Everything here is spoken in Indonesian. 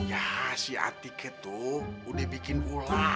yah si atika tuh udah bikin ulah